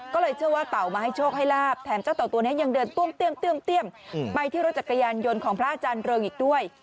ก็เลยเชื่อว่าเต่ามาให้โชคให้ลาบแถมเจ้าเต่าตัวนี้ยังเดินเตี้ยมไปที่รถจักรยานยนต์ของพระอาจารย์เริงอีกด้วย